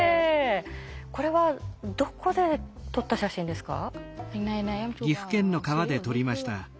これはどこで撮った写真ですか？